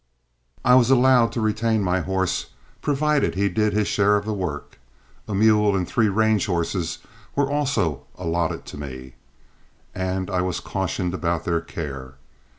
I was allowed to retain my horse, provided he did his share of the work. A mule and three range horses were also allotted to me, and I was cautioned about their care.